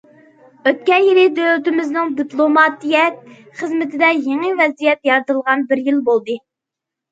ئۆتكەن يىلى دۆلىتىمىزنىڭ دىپلوماتىيە خىزمىتىدە يېڭى ۋەزىيەت يارىتىلغان بىر يىل بولدى.